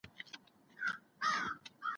د هغه مړینه د مرغومي په دوه ویشتمه نېټه شوې وه.